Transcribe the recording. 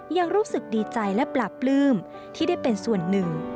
ยังรู้สึกดีใจและปราบปลื้มที่ได้เป็นส่วนหนึ่ง